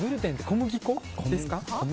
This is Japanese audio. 小麦粉ですか？